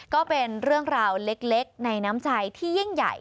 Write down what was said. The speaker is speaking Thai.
ก็เป็นเรื่องราวเล็กในน้ำใจที่ยิ่งใหญ่